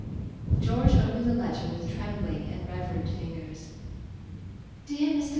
George opened the letter with trembling and reverent fingers. "DEAR MR.